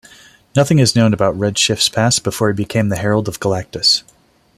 Nothing is known about Red Shift's past before he became the Herald of Galactus.